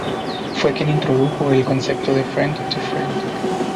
Fue quien introdujo el concepto de Friend-to-friend.